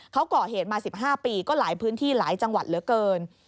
เขาก่อเหตุมา๑๕ปีก็หลายพื้นที่หลายจังหวัดเหลือเกิน